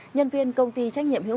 nhân viên công ty trách nhiệm hiệu quả